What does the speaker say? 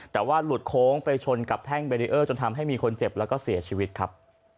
แต่ว่าหลุดโค้งไปชนกับแท่งเบรีเออร์จนทำให้มีคนเจ็บแล้วก็เสียชีวิตครับ